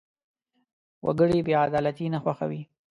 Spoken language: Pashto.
وګړي بېعدالتي نه خوښوي.